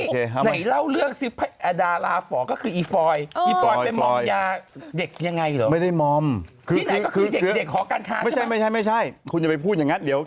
คุณเตาหมอมยาเด็กยังไงเหรอ